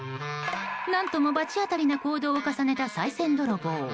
何とも罰当たりな行動を重ねたさい銭泥棒。